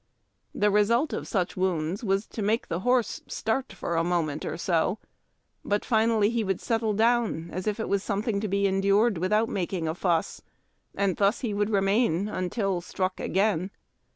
The result of such wounds was to make the horse start for a moment or so, but finally he would settle down as if it was something to be endured without making a fuss, and thus he would remain until struck again.